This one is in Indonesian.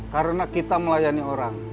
karena kita melayani orang